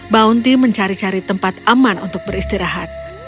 bounty mencari cari tempat aman untuk beristirahat